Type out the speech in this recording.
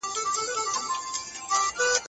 تاسو به لاړ شئ، خو پښتو به پاتې کېږي.